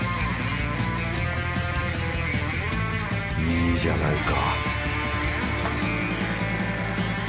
いいじゃないか